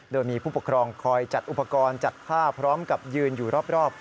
โดยมีผู้ปกครองคอยจัดอุปกรณ์จัดผ้าพร้อมกับยืนอยู่รอบ